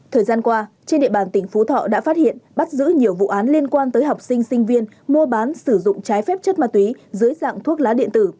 thời gian qua trên địa bàn tỉnh phú thọ đã phát hiện bắt giữ nhiều vụ án liên quan tới học sinh sinh viên mua bán sử dụng trái phép chất ma túy dưới dạng thuốc lá điện tử